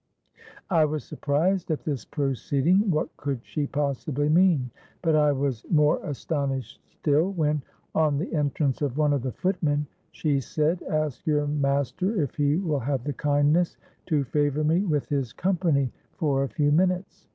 I was surprised at this proceeding: what could she possibly mean? But I was more astonished still, when, on the entrance of one of the footmen, she said, 'Ask your master if he will have the kindness to favour me with his company for a few minutes.'